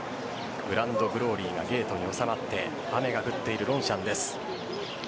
グランドグローリーがゲートに収まって雨が降っているロンシャンです。